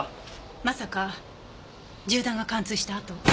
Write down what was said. まさか銃弾が貫通した跡？